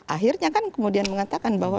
akhirnya kan kemudian mengatakan bahwa